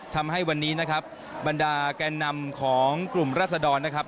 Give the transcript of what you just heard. ทำให้วันนี้นะครับบรรดาแกนนำของกลุ่มราศดรนะครับ